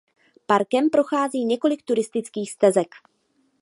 Parkem prochází několik turistických stezek.